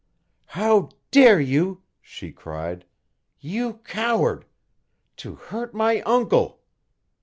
"How dare you?" she cried. "You coward! To hurt my uncle!"